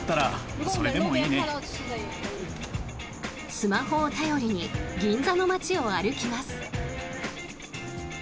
スマホを頼りに銀座の街を歩きます。